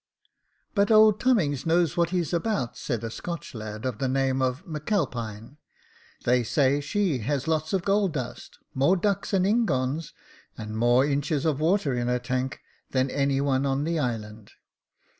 "' But old Tummings knows what he's about,' said a Scotch lad, of the name of M* Alpine ;' they say she has lots of gold dust, more ducks and ingons, and more inches of water in her tank than any one on the island.'